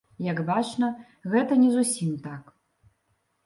Як бачна, гэта не зусім так.